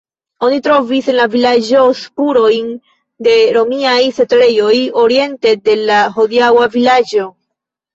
Oni trovis en la vilaĝo spurojn de romiaj setlejoj oriente de la hodiaŭa vilaĝo.